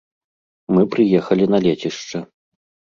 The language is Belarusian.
Мы прыехалі на лецішча.